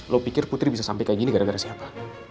lo pikir putri bisa sampai kayak gini gara gara siapa